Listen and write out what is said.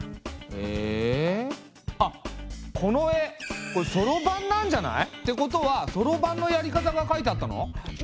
えあっこの絵そろばんなんじゃない？ってことはそろばんのやり方が書いてあったの？